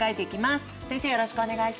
よろしくお願いします。